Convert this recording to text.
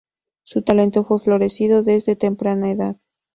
Su talento fue floreciendo desde temprana edad.